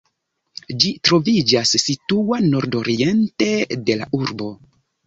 Ĝi troviĝas situa nordoriente de la urbo.